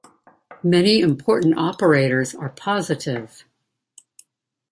Many important operators are positive.